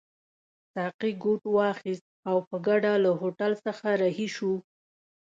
ساقي کوټ واغوست او په ګډه له هوټل څخه رهي شوو.